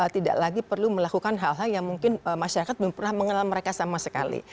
tidak lagi perlu melakukan hal hal yang mungkin masyarakat belum pernah mengenal mereka sama sekali